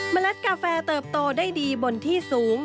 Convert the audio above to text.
เล็ดกาแฟเติบโตได้ดีบนที่สูง